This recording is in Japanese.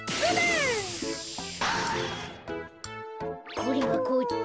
これはこっち。